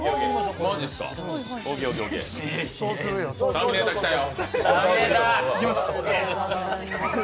ターミネーター、来たよ。